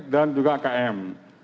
dan juga km